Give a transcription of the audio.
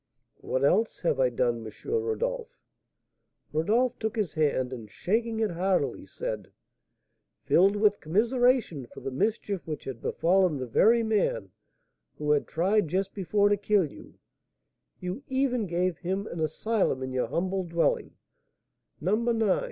"What else have I done, M. Rodolph?" Rodolph took his hand, and, shaking it heartily, said: "Filled with commiseration for the mischief which had befallen the very man who had tried just before to kill you, you even gave him an asylum in your humble dwelling, No.